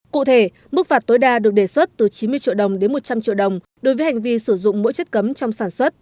cụ thể mức phạt tối đa được đề xuất từ chín mươi triệu đồng đến một trăm linh triệu đồng đối với hành vi sử dụng mỗi chất cấm trong sản xuất